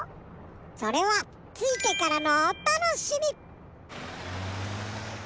それはついてからのおたのしみ！